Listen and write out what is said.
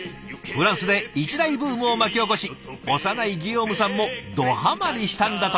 フランスで一大ブームを巻き起こし幼いギヨームさんもどハマりしたんだとか。